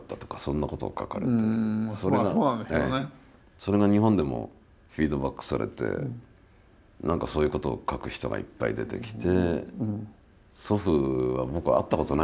それが日本でもフィードバックされて何かそういうことを書く人がいっぱい出てきて。